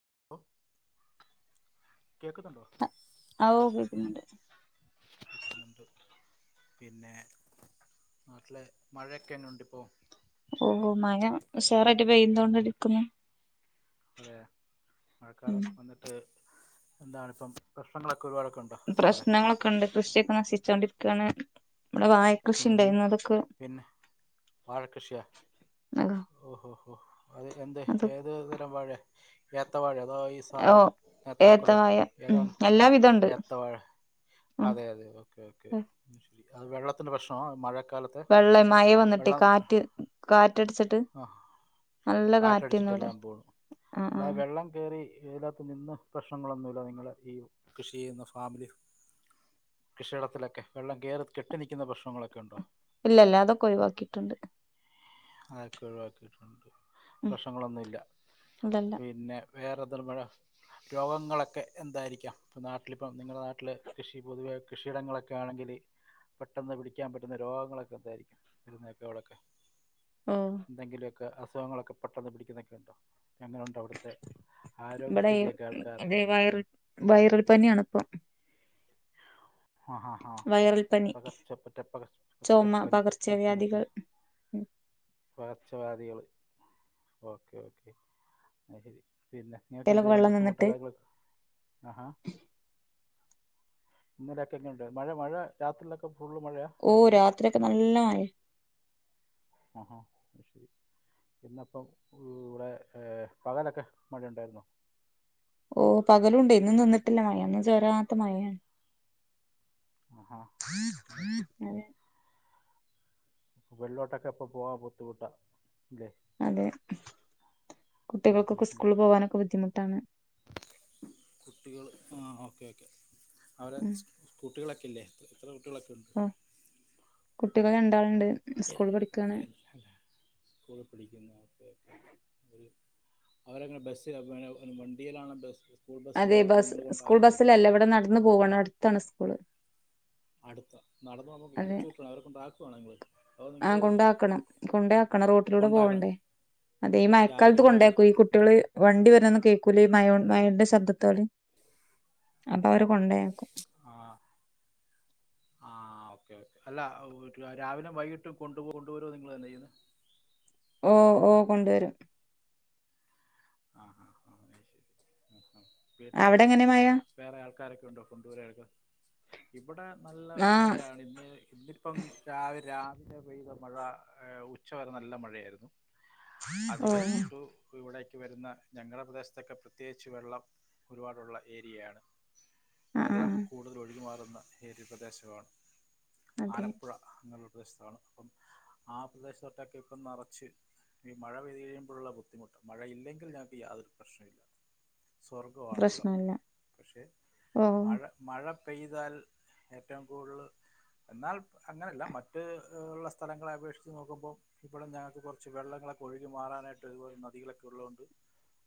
[inaudible] കേക്കുന്നുണ്ടോ ആ ഓ കേക്കുന്നുണ്ട് കേക്കുന്നുണ്ട് പിന്നെ നാട്ടില് മഴയൊക്കെ എങ്ങനെയുണ്ട് ഇപ്പോ ഓ മഴ ഉഷാറായിട്ട് പെയ്തുകൊണ്ടിരിക്കുന്നു അതെയാ മഴക്കാലം വന്നിട്ട് എന്താണ് ഇപ്പം പ്രശ്നങ്ങള് ഉം പ്രശ്നങ്ങളൊക്കെയുണ്ട് കൃഷിയൊക്കെ നശി ച്ചോണ്ടിരിക്കാണ് ഉം ഉം പിന്നെ വാഴക്കൃഷിയോ ഓഹോ ഓ അത് എന്തേ അത് ഏത് തരം വാഴയാ ഏത്തവാഴയോ തോ ഈ ഓ സാധാ ഏത്തക്കൊല ഏത്തവായ ഉം ഏതാണ് എല്ലാവിധം ഉണ്ട് ഏത്തവാഴ ഉം അതെ അതെ ഓകെ ഓകെ ശരി അത് വെള്ളത്തി ത്തിന്റെ പ്രശ്നോ മഴ വെള്ളം മയ വന്നിട്ട് കാറ്റ് കാറ്റ് [unintelligible] റ്റടിച്ചിട്ട് ആ കാറ്റടിച്ചിട്ടെല്ലാം പോണു ആ അല്ലാ വെള്ളം കേറി ഈവേയ്ലാത്തു നിന്ന് പ്രശ്നങ്ങളൊന്നൂല്ല നിങ്ങൾ ഈ കൃഷി ചെയ്യുന്ന ഫാമിലി കൃഷിയിടത്തിലൊക്കെ വെള്ളം കേറി കെട്ടി നിക്കുന്ന പ്രശ്നങ്ങളൊക്കെ ഒണ്ടോ ഇല്ല ഇല്ല അതൊക്കെ ഒഴിവാക്കീട്ടുണ്ട് അക്കെ ഒഴിവാക്കീട്ടൊണ്ടോ ഉം പ്രശ്നങ്ങളൊന്നുല്ല ഇല്ലല്ല പിന്നെ വേറെന്തേലുംമഴ രോഗങ്ങളൊക്കെ എന്തായിരിക്കാം പ്പം നാട്ടിലിപ്പം നിങ്ങടെ നാട്ടില് കൃഷി പൊതുവെ കൃഷിയിടങ്ങളൊക്കെ ആണെങ്കില് പെട്ടെന്ന് പിടിക്കാൻ പറ്റുന്ന രോഗങ്ങളൊക്കെ ന്താരിക്കും [unintelligible] ഓ ന്തെങ്കിലു കെ അസുഖങ്ങളൊക്കെ പെട്ടെന്ന് പിടിക്കുന്നെഒക്കെ ഉണ്ടോ എങ്ങനെയുണ്ട് അവിടുത്തെ ബടെ ഈ ആരോഗ്യസ്ഥിതിയൊക്കെ ആൾക്കാരുടെ അതേ വയറൽ വയറൽ പനിയാണ് ഇപ്പം ആ ഹ ഹ വൈറൽ പനി പകർച്ചപ്പറ്റ പകർ ചുമ ച്ചപ്പനി ഉം ഉം ഉം പകർച്ചവ്യാധികൾ പകർച്ചവ്യാധികള് ഓക്കെ ഓക്കെ അയ്ശെരി പിന്നെ നിങക്ക് തലക്ക് എന്തേലും വെള്ളം ബുദ്ധിമുട്ടോ നിന്നിട്ട് കാര്യങ്ങളോ ആഹാ ഇന്നലെഒക്കെങ്ങനൊണ്ട് മഴ മഴ രാത്രീലൊക്കെ ഓ രാത്രി ഒക്കെ നല്ല മഴയ് ആഹാ അയ്ശെരി ഇന്നപ്പം ഇവ്ടെ വ് പകലൊക്കെ മഴ ഉണ്ടാരുന്നോ ഓ പകലുംണ്ട് ഇന്നും നിന്നിട്ടില്ല മഴ ഒന്നും ചേരാത്ത മഴയാണ് ആഹാ അത് ശരി [unintelligible] വെള്ളോട്ടൊക്കെ പ്പൊ പോൻ ബുദ്ധിമുട്ടാ ഇല്ലേ അതെ ഉം, ഉം, കുട്ടികൾക്കൊക്കെ ഉം. സ്കൂള്ല് പോവാനൊക്കെ ബുദ്ധിമുട്ടാണ് കുട്ടികൾ ആ ഓക്കേ ഓക്കേ അവടെ സ്കു കുട്ടികളൊക്കല്ലെ എത്ര കുട്ടികളൊക്കെ ഉണ്ട് ഉം കുട്ടികൾ രണ്ടാള്ണ്ട് ല്ല സ്കൂളിൽ പഠിക്കുന്നവരക്കൊ അവരെങ്ങനാ ബസിലാ പിന വണ്ടിയിലാണ് ബ അതെ ബസ്സ് സ്കൂൾ ബസ്സിലല്ല ഇവിടെ നടന്ന് പോവാണ് അടുത്താണ് സ് ക്കൂള് അടുത്താ അതെ അതോ നിങ്ങൾ ആഹ് കൊണ്ടാക്കണം കൊണ്ടാക്കണം റോട്ടിലൂടെ കൊണ്ടാക്കണം പോവണ്ടേ അതെ ഈ മയക്കാലത്ത് രാവിലെയും കൊണ്ട്ഓ വൈകിട്ടും യാക്കും ഈ കുട്ടികള് വണ്ടി വ നൊന്നും കേക്കൂലേ മയ് മയേന്റെ ശബ്ദത്തോട് അപ്പൊ അവരെ കൊണ്ടോയാക്കും ആഹ് ആഹ് ഓക്കേ ഓക്കേ അല്ല രാവിലും വൈകിട്ടും കൊണ്ടുപോവും കൊണ്ടുവരും നിങ്ങള് തന്നെ ചെയ്യുന്ന. ഓ ഓ കൊണ്ടുവരും. ആഹ് ആഹ് ആഹ് അതുശെരി ഉം ഉം. വീട്ടില് അവിടെ എങ്ങനെ മഴ വേറെ ആൾക്കാരൊക്കെ ഉണ്ടോ, കൊണ്ടുവരാൻ ഒക്കെ ഇവിടെ നല്ല ആ മഴയാണ് ഇന്ന് ഇന്നിപ്പം രാവി രാ ലെ പെയ്ത മഴ ഉച്ചവരെ നല്ല മഴയായിരുന്നു. അത് ഓ കഴിഞ്ഞിട്ടും ഇവിടെ. കാറ്റ് വരുന്ന ഞങ്ങടെ പ്രദേശത്തൊക്കെ പ്രത്യേകിച്ച് വെള്ളം ഒരുപാടുള്ള ഏരിയയാണ്. ആ ആ ആ. വെള്ളം കൂടുതല് ഒഴുകി മാറും. എന്ന് ഏരിയ പ്രദേശമാണ്. അതെ ആലപ്പുഴ അങ്ങ്. പ്രദേശത്താണ് അപ്പം ആ പ്രദേശത്തൊക്കെ ഇപ്പം നറച്ച് ഈ മഴ പെയ്ത് കഴിയുമ്പോഴുള്ള ബുദ്ധിമുട്ട്. മഴയില്ലെങ്കിൽ ഞങ്ങക്ക് യാതൊരു പ്രശ്നമില്ല. സ്വർഗ്ഗമാണ് ഇവിടം പ്രശ്നല്ല പക്ഷേ ഓ മഴ മഴ. പെയ്താൽ ഏറ്റവും കൂടുതൽ എന്നാൽ അങ്ങനെയല്ല മറ്റുള്ള സ്ഥലങ്ങളെ അപേക്ഷിച്ച് നോക്കുമ്പോ ഇവിടെ ഞങ്ങൾക്ക് കുറച്ച് വെള്ളങ്ങളൊക്കെ ഒഴുകി മാറാനായിട്ട് ഒരുപാട് ഇതുപോലെ നദികളും. ഉള്ളൊണ്ട്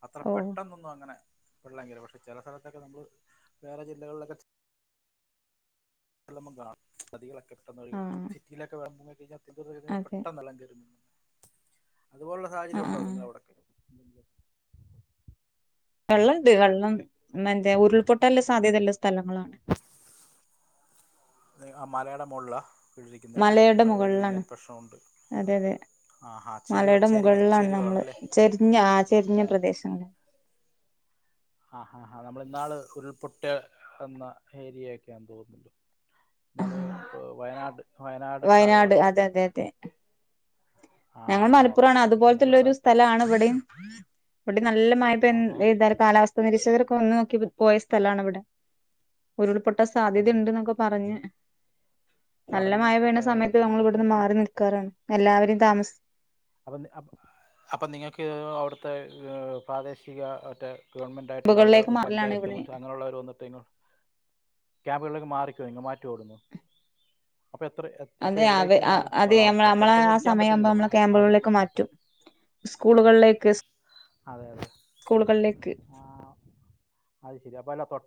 അത്ര ഓ പെട്ടെന്നൊന്നും അങ്ങനെ. വെള്ളം കേറും പക്ഷെ ചില സ്ഥലത്തൊക്കെ നമ്മള് വേറെ ജില്ലകളിലൊക്കെ. ചെല്ലുമ്പോ കാണും നദികളെ. പെട്ടെന്നൊഴുകി ആഹ് സിറ്റിയിലൊക്കെ വെള്ളം വരും. [unintelligible] [unintelligible] അതെ പെട്ടന്നെല്ലാം കേറി മുങ്ങുന്നെ അതുപോലുള്ള സാഹചര്യ ആഹ് ഉണ്ടോ ആഹ് ആഹ് നിങ്ങടവിടൊക്കെ [inaudible] വെള്ളം ഇണ്ട് വെള്ളം ഉമ്മാന്റെ ഉരുൾപൊട്ടല്ല് സാധ്യതെള്ള സ്ഥലങ്ങളാണ് ഏഹ് ആ മലേടെ മോളിലാ മലയുടെ മുകളിലാണ് അതെ അതെ ആഹാ ചെരിവ് മലയുടെ ചെരിവ് മുകളിലാണ് നമ്മള് ചെരിവാണല്ലേ ചെരിഞ്ഞ ആ ചെരിഞ്ഞ പ്രദേശങ്ങളാ ആ ഹാഹാ നമ്മളിന്നാള് ഉരുൾപൊട്ട വന്ന ഏരിയായൊക്കെയാണെന്ന് തോന്നുന്നുണ്ട് ഇന്നാല് വയനാട് വയനാട് അതെ ഭാഗമായിരിക്കൂല്ലോ അതെ അതെ ഞങ്ങൾ മലപ്പുറാണ് നല്ല സ്ഥ അതുപോലത്തുള്ളൊരു സ്ഥലാണ് ഇവിടെയും ഇവിടെ നല്ല മയ ആഹാ പെയ്താല് കാലാവസ്ഥാ നിരീക്ഷകർ ഒന്ന് നോക്കി പോയ സ്ഥലാണിവിടെ ഉരുൾപ്പൊ ടെ സാധ്യത അതെയോ ഇണ്ടന്നൊക്കെ പറഞ്ഞ് നല്ല പറഞ്ഞ മഴ പേയ്യണ ഏഹ്, സമയത്ത് അപ്പൊ ഞമ്മൾ നിങ്ങൾക്ക് ഇവിടുന്ന് മാറി നിൽക്കാറാണ് എല്ലാവരും തമസ് അപ്പൊ അപ്പോ അപ്പൊ നിങ്ങക്ക് അവിടുത്തെ പ്രാദേശിക മറ്റേ ഗവൺമെന്റ് ആയിട്ടുള്ളൊര് മുകളിലേക്ക് മാറലാണ് പഞ്ചായത്ത് ഇവിടെ മറ്റ് അങ്ങനുള്ളൊര് വന്നിട്ട ക്യാ ള [unintelligible] മാറിക്കഴിഞ്ഞ് മാറ്റോടുന്നു അപ്പോ എത്ര അപ്പോ അതെ അവ എവിടെയ്ക്ക് മാറും അതെ അതവിടെ തൊട്ടടുത്തൊന്നും ഇരിക്കാൻ പറ്റില്ലല്ലോ അടു ക്കെമാറ്റും സ്കൂളുകളിലോക്ക് അതെ അതെ സ്കൂളുകളിലക്ക്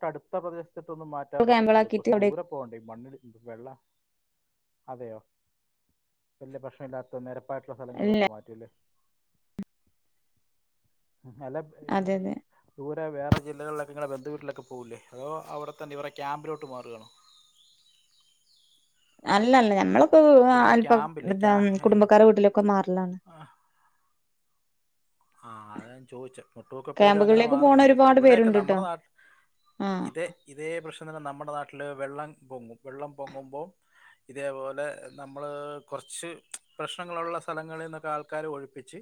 പ്പ അടുത്ത പ്രദേശ റ്റത്തൊന്നും മാറ്റാൻ പറ്റത്തില്ല കുറച്ച് അവിടെ ദൂരെ പോണ്ടെ മണ്ണില് വെള്ള അതെയോ വലിയ പ്രഷ്‌നല്ലാത്ത നേര പായിട്ട സ്ഥലങ്ങളോ ഇല്ല മാറ്റല്ലേ അല അതെ അതെ [unintelligible] വേറെ ജില്ലകളിലൊക്കെ ഇങ്ങെ ബന്ധുവീട്ടിലൊക്കെ പോകൂല്ലേ അതോ അവിടെത്തന്നെ ഇവരെ ക്യാമ്പിലോട്ട് മാറുവാണോ അല്ലല്ല നമ്മള് ഉം അ അല്പം ക്യാമ്പില്ലേ എന്താ ക്യാ കുടുംബക്കാരെ വീട്ടിലൊക്കെ മാറലാണ് ആഹ് അതാ ഞാൻ ചോയിച്ചേ മുട്ടൊക്കെ പേരും അങ്ങനെ ക്യാമ്പുകളിലേക്ക് പോണ മാറലുണ്ട് ഒരുപാട് ഇവിടെക്കെ പേരുണ്ട് ട്ടോ നമ്മുടെ നാട്ട ആഹ് ഇതേ ഇതേ പ്രശ്ന തന്നെ നമ്മുടെ നാ മ്മടെ നാട്ടിൽ വെള്ളം പൊങ്ങും വെള്ളം പൊങ്ങുമ്പോ ഇതേപോലെ നമ്മള് കുറച്ച് പ്രശ്നങ്ങളുള്ള സ്ഥലങ്ങളീന്നൊക്കെ ആൾക്കാരെ ഒഴിപ്പിച്ച്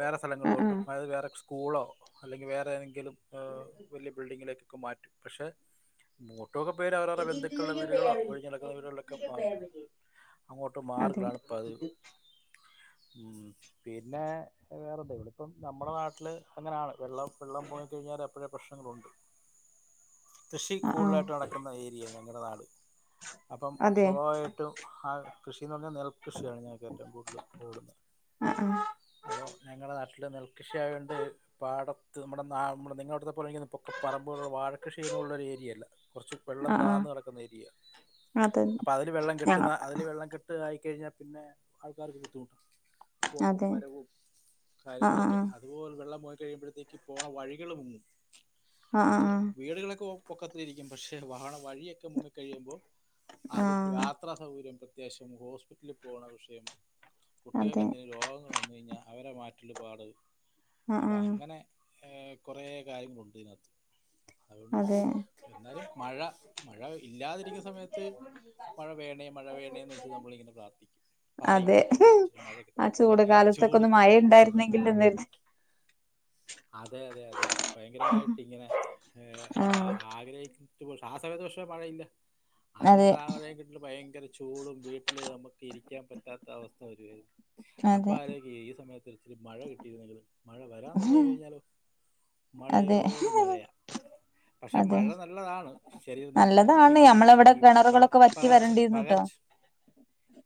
വേറെ ആ ആ സ്ഥലങ്ങളിലോട്ടും മഴ വേറെ സ്കൂളോ അല്ലെങ്കി വേറെതെങ്കിലും ആഹ് വലിയ ബിൽഡിങ്ങിലേക്കെ ഒ മാറ്റു പക്ഷെ മൊ ട്ടോകെ പേര് അവരവരുടെ ബന്ധുക്കളെ വീടുകളോ ഒഴിഞ്ഞിടക്കുന്ന വീടുകളിലൊക്കെ മാറും അങ്ങോട്ട് അതെ മാറുകളാണ് പതിവ് ഉം പിന്നെ വേറെ എന്താ ഇവിടെ ഇപ്പം നമ്മുടെ വെറെന്തെലും ഇപ്പം നമ്മള നാട്ടില് അങ്ങനാണ് വെള്ളം വെള്ളം പൊങ്ങിക്കഴിഞ്ഞാല് എപ്പോഴേ പ്രശ്നങ്ങളുണ്ട് കൃഷി ആ ആ കൂളായിട്ട് വളക്കുന്ന ഏരിയ ഞങ്ങ വങ്കടനാട് അപ്പം അതെ സ്ലോ ആയിട്ടും ആഹ ഞ്ഞാൽ. ഞ്ഞാൽ നെൽകൃഷിയാണ് ഞങ്ങൾക്ക് ഏറ്റവും കൂടുതൽ ഓടുന്നെ ആ ആ ഞങ്ങളുടെ നാട്ടില് നെൽകൃഷിയായോണ്ടെ പ നമ്മടടുത്ത് നമ്മുടെ നാ നിങ്ങളടുത്ത പൊക്ക പറമ്പ്കളുള്ള വാഴ കൃഷി ചെയ്യുന്ന പോലുള്ള ഒരുഏരിയയല്ല കുറച്ച് വെള്ളം ആ ആ താന്ന് കിടക്കുന്ന ഏരിയ അതെ അപ്പോൾ അതില് വെള്ളം ഞങ്ങ കെട്ടുന്ന അതില് വെള്ളം കെട്ട്കാ കഴിഞ്ഞാൽ പിന്നെ ആൾക്കാർക്ക് ബുദ്ധിമുട്ടാ പോക്കും അതെ വരവും ആ ആ കാര്യങ്ങളൊക്കെ അതുപോലെ വെള്ളം പോയി കഴിയുമ്പോഴത്തേക്ക് പോണ വഴികള് മുങ്ങും ആ ആ നമ്മളത് വീടുകളൊക്കെ പൊക്കത്തിലിരിക്കും പക്ഷേ വാഹന വഴിയൊക്കെ മുങ്ങി കഴിയുമ്പോ ആ ആ അത് യാത്രാ സൗകര്യം അത്യാശ്യം ഹോസ്പിറ്റലിൽ പോണ വിഷയം കുട്ടികൾക്ക് അതെ എന്തെങ്കിലും രോഗങ്ങൾ വന്നു കഴിഞ്ഞ അവരെ മാറ്റൽ പാട് ആ അപ്പൊ ആ അങ്ങനെ കുറേ കാര്യങ്ങളുണ്ട് ഇതിനകത്ത് അതുകൊണ്ട് അതെ എന്നാലും മഴ മഴ ഇല്ലാതിരിക്കുന്ന സമയത്ത് മഴ വേണേ മഴ വേണേന്ന് വെച്ച് നമ്മളിങ്ങനെ പ്രാർത്ഥിക്കും പറയും അതെ ചോദിച്ചിട്ട് മഴ ആ കിട്ടിയാൽ കൊള്ളാം ചൂട് ഏ കാലത്തൊക്കെ ചൂട് ഒന്ന് മഴ ചൂ ഉണ്ടായിരുന്നെങ്കിൽ എന്ന് അതെ അതെ അതെ ഭയങ്കരായിട്ട് ഇങ്ങനെ നമ്മള് ആഹ് അ ആഗ്രഹിക്കു ച്ചു ആ സമയത്ത് പക്ഷെ മഴയില്ല ആ അതെ സമയത്ത് ആ മഴയും കിട്ടി ഭയങ്കര ചൂടും വീട്ടില് നമുക്ക് ഇരിക്കാൻ പറ്റാത്ത അവസ്ഥ വരു ആയി അപ്പ അതെ ആലോയിക്കും ഈ സമയത്ത് ഇച്ചിരി മഴ കിട്ടിയിരുന്നെങ്കിൽ മഴ വരാ [unintelligible] കഴിഞ്ഞാലോ അതെ മഴയോടു മഴയാ പക്ഷെ അതെ മഴ നല്ലതാണ് ശരീരം നമുക്ക് കുറച്ച് നല്ലതാണ് ഈ ഈ നമ്മളവിടെ കിണറുകളൊക്കെ വറ്റി പകർച്ച വരണ്ടിരുന്നു ട്ടോ പകർച്ച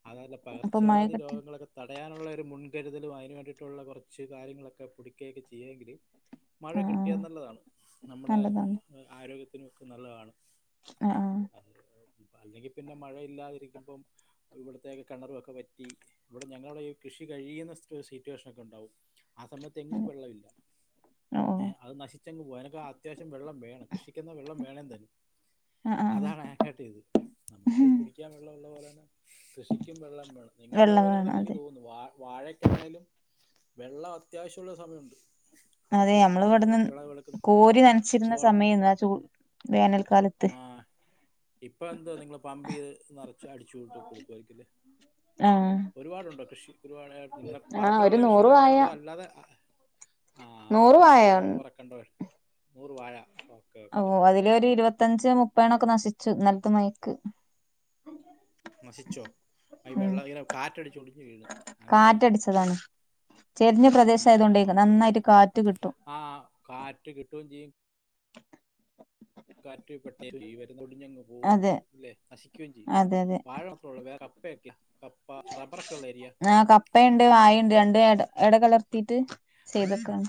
അതല്ല അപ്പൊ പകർച്ചവ്യാദി മഴകിട്ടി രോഗങ്ങളൊക്കെ തടയാനുള്ള ഒരു മുൻ കരുതലും അതിന് വേണ്ടിയിട്ടുള്ള കുറച്ച് കാര്യങ്ങളൊക്കെ കുടി ഒക്കെ ചെയ്യുവെങ്കില് മഴ കിട്ടിയാൽ ആഹ് നല്ലതാണ് നമ്മുടെ ആരോഗ്യ [unintelligible] നല്ലതാണ് ആ ആ അത് അല്ലെങ്കിൽ പിന്നെ മഴയില്ലാതിരിക്കുമ്പം ഇവിടുത്തേക്ക കിണറുമൊക്കെ പറ്റി ഇവിടെ ഞങ്ങള ഈ കൃഷി കഴിയുന്ന സിറ്റ് സിറ്റുവേഷനൊക്കെ ഉണ്ടാവും ആ സമയത്ത് തെങ്ങും അതെ വെള്ളമില്ല ഓഹ് അത് നശിച്ചെങ്ങ് പോക അതിന് അത്യാവശ്യം വെള്ളം വേണം കൃഷിക്കുന്ന വെള്ളം വേണേ തൻ ആഹ് ആഹ് അതാണ് ആക്കാട്ടീത് നമുക്ക് കുടിക്കാൻ വെള്ളം ഉള്ള പോലെ തന്നെ കൃഷിക്കും വെള്ളം വേണം നിങ്ങളവിടെ വെള്ളം അതുപോലെ ഒക്കെ വേണം തന്നെ എനിക്ക് അതെ തോന്നുന്നു വാ വാഴക്കാണേലും വെള്ളം അത്യാവശ്യമുള്ള സമയുണ്ട് അതെ നമ്മള് ഇവിടുന്ന് കോരി നനച്ചിരുന്ന ഗവൺമെന്റ് സമയന്നാ ആ ചൂ വേനൽക്കാല ആ ഇപ്പൊ എന്തുവാ നിങ്ങള് പമ്പ് ചെയ്ത് നറച്ച് അടിച്ചൂട്ടി കൊടുക്കായിരിക്കും ല്ലേ ആഹ് ഒരുപാടു ണ്ടോ കൃഷി ഒരുപാട് നിങ്ങളെ ആഹ് ഒരു പറമ്പിലുള്ള നൂറ് വായ കൃഷികളൊക്കെയാണോ അതോ അല്ലാതെ ആഹ് ആ നൂറ് ഓക്കെ അങ്ങനെ നൂറ് വായണ്ട് പറ കണ്ടോ നൂറ് വാഴ ഓക്കെ ഓ ഓക്കെ അതിലെ ഒരു ഇരുപത് പത്തഞ്ച് മുപ്പതെണ്ണോക്കെ നശിച്ചു ഇന്നൽത്തെ മയക്ക് നശിച്ചോ ഈ വെള്ളം ഇനെ കാറ്റടിച്ചൊടിഞ്ഞ് വീണ് അങ്ങനെ ആയിരി കാറ്റടിച്ചതാണ് ചെരിഞ്ഞ പ്രദേശായതുകൊണ്ടേക്കും നന്നായിട്ട് കാറ്റ് കിട്ടും ആ കാറ്റ് കിട്ടുകയും കാറ്റു [unintelligible] ഒടിഞ്ഞങ്ങ് പോവേം അതെ ചെയ്യും അല്ലേ നശിക്കയും ചെയ്യും അതെ അതെ വാഴ മാത്രേ ഉള്ളൂ വേ കപ്പ ഒക്കെയോ? ആ കപ്പയുണ്ട് വായേണ്ട് രണ്ടും റബ്ബർ എട എട കലർത്തിട്ട് ചെയ്തേക്കാണ്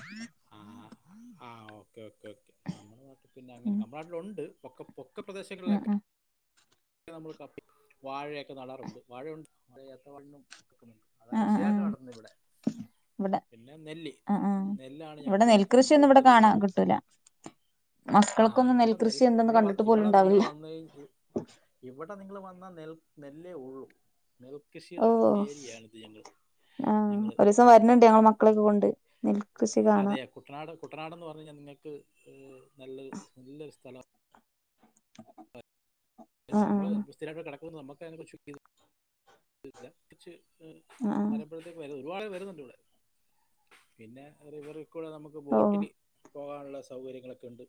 ആഹ് ആ ഓക്കേ ഓക്കെ ഓക്കെ നമ്മള് [unintelligible] പിന്നെ അങ്ങനെ ഉം നമ്മള നാട്ടിലുണ്ട് ഒക്ക പൊക്ക ഉം പ്രദേശങ്ങളിലൊക്കെ ഉം നമ്മള് കപ്പ വാഴയൊക്കെ നടാറുണ്ട് വാഴയുണ്ട് വാഴ ഏത്തവാഴ [unintelligible] ആ അതാണ് ആ കൃഷി ആ ആയിട്ട് നടത്തുന്നേ ഇവിടെ ഇവിടെ പിന്നെ നെല്ല് ആ ആ നെല്ലാണ് ഇവിടെ ഞങ്ങ്ക്ക് നെൽകൃഷിയൊന്നും ഇവിടെ കൂടുതല് കാണാൻ വിളവ് കിട്ടൂല ആ മക്കൾക്കൊന്നും ഇവിടെ നെൽ നെൽകൃഷി എന്തെന്ന് ഇവിടെ വൻ കണ്ടിട്ട് പോലും ഇവിടെ നിങ്ങള് ഉണ്ടാവില്ല വന്ന് ഇത് ഇവിടെ നിങ്ങള് വന്നാ നെൽ നെല്ലേ ഉള്ളൂ ഓ നെൽകൃഷിയുടെ ഏരിയയാണ് ഇത് ഞങ്ങൾ ആ ഒരുവസം വരണിണ്ട് ഞങ്ങള് മക്കളൊക്കെ കൊണ്ട് നെൽകൃഷി കാണാൻ അതെയാ കുട്ടനാട് കുട്ടനാടെന്ന് പറഞ്ഞ് കഴിഞ്ഞാ നിങ്ങൾക്ക് ഏഹ് നല്ല നല്ലൊരു സ്ഥലം ആ ആ നമ്മള് സ്ഥിരായിട്ട് ഇവിടെ കിട ന്നു നമ്മക്ക് അതിനെ കുറിച്ചൊരു ഇത് [unintelligible] [unintelligible] ആ ആ ഒരുപാട് വരുന്നുണ്ട് ഇവിടെ പിന്നെ [unintelligible] ഇവിടെ നമുക്ക് ഓ ബോട്ടില് പോകാനുള്ള സൗകര്യങ്ങളൊക്കെ ഉണ്ട്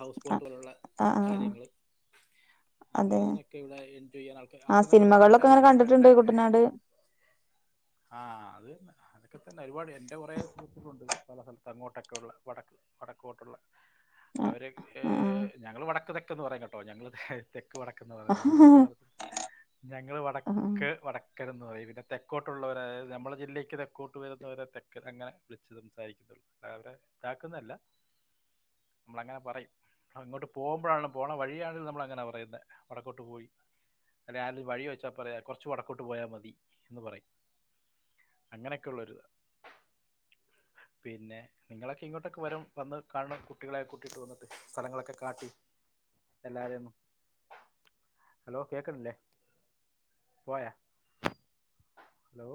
ഹൗസ് ആ ബോട്ട് പോലെയുള്ള ആ ആ കാര്യങ്ങള് അപ്പ അതെ അതിനൊക്കെ ഇവിടെ എൻജോയ് ചെയ്യാൻ ആൾക്കാര് ആ അവിടുന്നൊക്കെ ഒരുപാട് ആൾ സിനിമകളിലൊക്കെ അങ്ങനെ എന്റെ ഫ്രണ്ട് കണ്ടിട്ടുണ്ട് കുട്ടനാട് ആ അത് അതൊക്കെ തന്നെ ഒരുപാട് എൻ്റെ കുറെ സുഹൃത്തുളുണ്ട് പല സ്ഥലത്ത് അങ്ങോട്ടൊക്കെയുള്ള വടക്ക് വടക്കോട്ടുള്ള ആ അവരക്കെ ആ ഞങ്ങള് വടക്ക് തെക്കെ എന്ന് പറയും കേട്ടോ ഞങ്ങള് തെ തെക്ക് വടക്ക് എന്ന് പറയും [unintelligible] ഞ്ഞങ്ങള് വടക്ക് ആ ആ തെക്ക് വടക്ക് തെക്കനന്ന് പറയും പിന്നെ തെക്കോട്ടുള്ളവരായലും നമ്മുടെ ജില്ലേക്ക് തെക്കോട്ട് വരുന്നവരെ തെക്ക് അങ്ങനെ വിളിച്ച് സംസാരിക്കുന്നുള്ളൂ അവരെ ഇതാക്കുന്നല്ല നമ്മൾ അങ്ങനെ പറയും അങ്ങോട്ട് പോകുമ്പോഴാണ പോണ വഴിയാണെങ്കും നമ്മൾങ്ങനെ പറയുന്നത് വടക്കോട്ട് പോയി അല്ല വഴി പറയാ കുറച്ച് വടക്കോട്ട് പോയാൽ മതി എന്ന് പറയും അങ്ങനെയൊക്കെള്ളരുതാ പിന്നെ നിങ്ങളൊക്കെ ഇങ്ങോട്ടൊക്കെ വര വന്ന് കാണ കുട്ടികളെെ കൂട്ടിട്ട് വന്നിട്ട് സ്ഥലങ്ങളൊക്കെ കാട്ടി എല്ലാരെയ ഒന്നും ഹലോ കേക്കണില്ലേ പോയെ ഹലോ